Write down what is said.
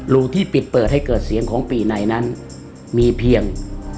รูที่ปิดเปิดให้เกิดเสียงของปีไหนนั้นมีเพียง